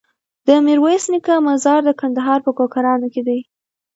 د ميرويس نيکه مزار د کندهار په کوکران کی دی